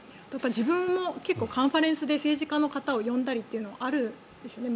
自分も結構、カンファレンスで政治家の方を呼んだりというのはあるんですよね。